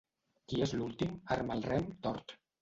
Qui és l'últim arma el rem tort.